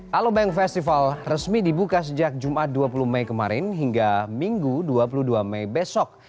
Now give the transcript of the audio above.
halo bank festival resmi dibuka sejak jumat dua puluh mei kemarin hingga minggu dua puluh dua mei besok